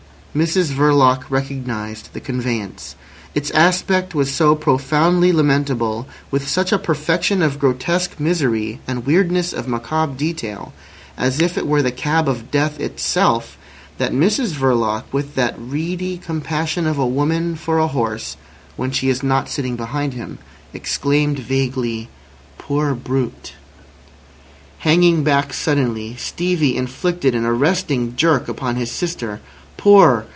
Mrs Verloc recognised the conveyance. Its aspect was so profoundly lamentable, with such a perfection of grotesque misery and weirdness of macabre detail, as if it were the Cab of Death itself, that Mrs Verloc, with that ready compassion of a woman for a horse (when she is not sitting behind him), exclaimed vaguely: "Poor brute!" Hanging back suddenly, Stevie inflicted an arresting jerk upon his sister. "Poor!